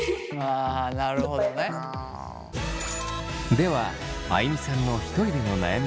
ではあいみさんのひとりでの悩み